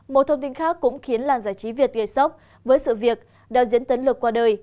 một thông tin khác cũng khiến làn giải trí việt gây sốc với sự việc đạo diễn tấn lực qua đời